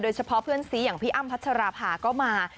เฉพาะเพื่อนซีอย่างพี่อ้ำพัชราภาก็มา